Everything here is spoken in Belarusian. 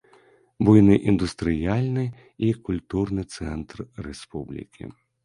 Буйны індустрыяльны і культурны цэнтр рэспублікі.